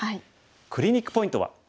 クリニックポイントは。